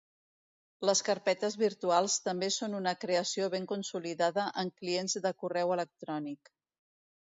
Les carpetes virtuals també són una creació ben consolidada en clients de correu electrònic.